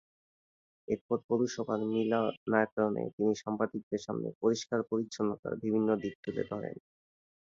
এরপর পৌরসভা মিলনায়তনে তিনি সাংবাদিকদের সামনে পরিষ্কার-পরিচ্ছন্নতার বিভিন্ন দিক তুলে ধরেন।